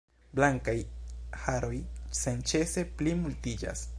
Blankaj haroj senĉese pli multiĝas.